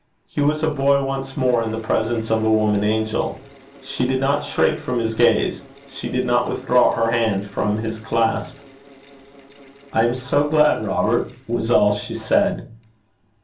He was a boy once more in the presence of a woman angel. She did not shrink from his gaze, she did not withdraw her hand from his clasp. 'I am so glad, Robert!' was all she said.